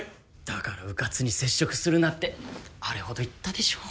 だからうかつに接触するなってあれほど言ったでしょ。